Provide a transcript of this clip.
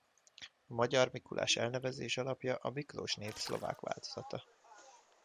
A magyar Mikulás elnevezés alapja a Miklós név szlovák változata.